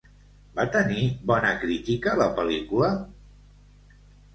Va tenir bona crítica la pel·lícula?